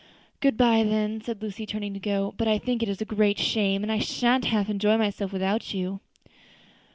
"Good bye, then," said Lucy, turning to go; "but I think it is a great shame, and I shan't half enjoy myself without you."